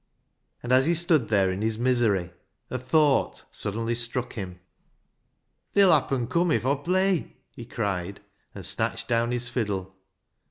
And as he stood there in his misery, a thought suddenly struck him. " They'll happen come if Aw play," he cried, and snatched down his fiddle.